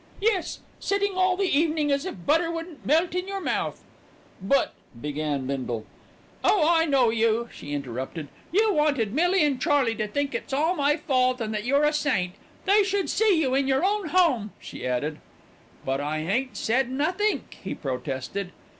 "Yes, sitting all the evening as if butter wouldn't melt in your mouth." "But " began Bindle. "Oh, I know you," she interrupted. "You wanted Millie and Charley to think it's all my fault and that you're a saint. They should see you in your own home," she added. "But I ain't said nothink," he protested.